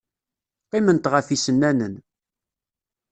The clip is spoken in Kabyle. Qqiment ɣef yisennanen.